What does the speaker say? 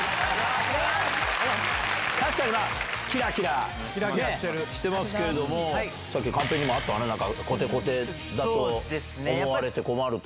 確かにな、きらきらしてますけれども、さっき、カンペにもあったよね、こてこてだと思われて困ると。